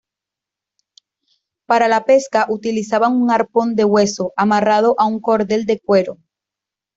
Para la pesca utilizaban un arpón de hueso, amarrado a un cordel de cuero.